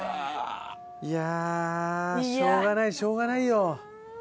いやしょうがないしょうがないよ。